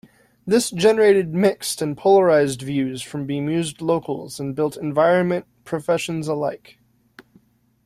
This generated mixed and polarized views from bemused locals and built environment professions alike.